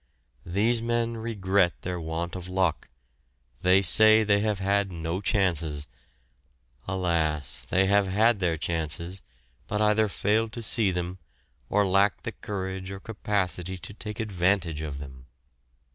These men regret their want of luck, they say they have had no chances; alas! they have had their chances but either failed to see them, or lacked the courage or capacity to take advantage of them.